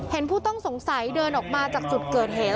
ผู้ต้องสงสัยเดินออกมาจากจุดเกิดเหตุ